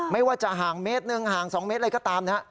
ไม่ว่าจะห่างเมตรหนึ่งห่าง๒เมตรอะไรก็ตามนะฮะ